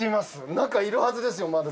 中いるはずですよまだ。